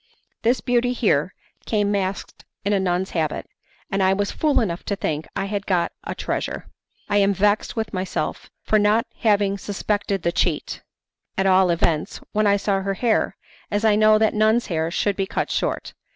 This beauty here came masked in a nun's habit, and I was fool enough to think I had got a treasure. I am vexed with myself for not having suspected the cheat at all events, when I saw her hair, as I know that nuns' hair should be cut short.